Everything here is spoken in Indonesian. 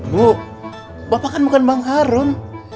bu bapak kan bukan bang harun